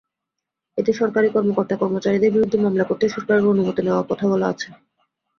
এতে সরকারি কর্মকর্তা-কর্মচারীর বিরুদ্ধে মামলা করতে সরকারের অনুমতি নেওয়ার কথা বলা আছে।